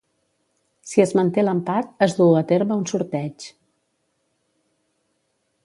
Si es manté l'empat, es duu a terme un sorteig.